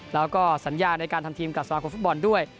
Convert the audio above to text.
แล้วก็สัญญาในการทำทีมกับสมาคมฟุตบอลด้วย